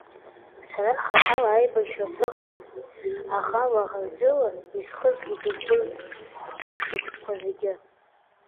Сара хаҭала аибашьра сыҟамызт, аха лаӷырӡыла исхызгеит убырҭ ашықәсқәа зегьы.